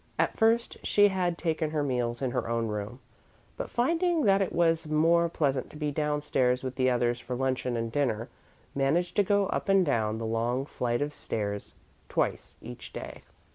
At first, she had taken her meals in her own room, but, finding that it was more pleasant to be downstairs with the others for luncheon and dinner, managed to go up and down the long flight of stairs twice each day.